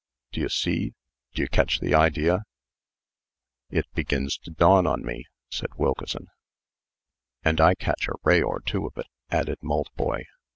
D'ye see? D'ye catch the idea?" "It begins to dawn on me," said Wilkeson. "And I catch a ray or two of it," added Maltboy.